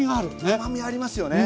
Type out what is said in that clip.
甘みありますよね。